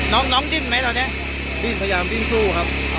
น้องยิ่งไหมตอนนี้ยิ่งพยายามยิ่งสู้ครับ